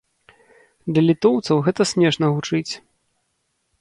Для літоўцаў гэта смешна гучыць.